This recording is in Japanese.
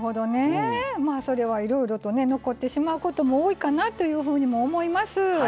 それは、いろいろと残ってしまうことも多いかなというふうにも思います。